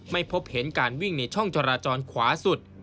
ไม่พบเห็นการวิ่งในช่องจราจรขวาสุด